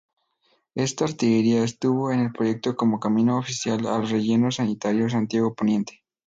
Esta arteria estuvo en el proyecto como camino oficial al relleno sanitario Santiago poniente.